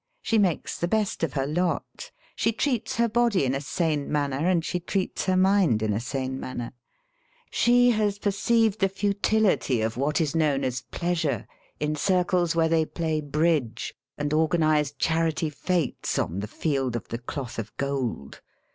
She makes the best of her lot. She treats her body in a sane manner, and she treats her mind in a sane manner. She has perceived the futility of what is known as pleasure in circles where they play bridge and organise charity fetes on the Field of the Cloth of Gold.